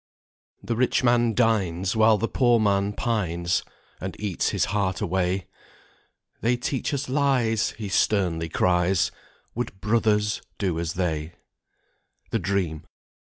"The rich man dines, while the poor man pines, And eats his heart away; 'They teach us lies,' he sternly cries, 'Would brothers do as they?'" "THE DREAM."